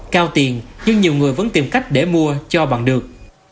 cao tiền nhưng nhiều người vẫn tìm cách để mua cho bằng được